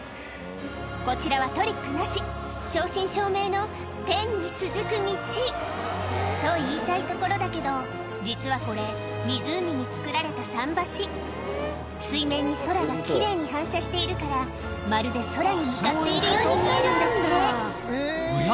こちらはトリックなし正真正銘の天に続く道と言いたいところだけど実はこれ湖に造られた桟橋水面に空が奇麗に反射しているからまるで空に向かっているように見えるんだっておや？